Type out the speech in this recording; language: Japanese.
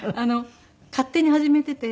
勝手に始めていて。